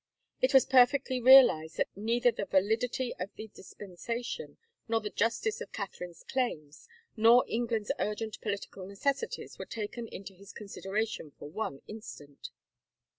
It was per fectly realized that neither the validity of the dispensation^ nor the justice of Catherine's claims, nor England's urgent political necessities were taken into his consideration for one instant.